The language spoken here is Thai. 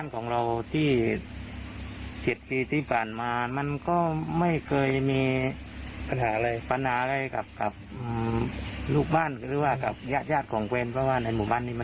คนอยากใส่ดีใช่ไหม